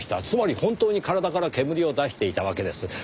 つまり本当に体から煙を出していたわけです。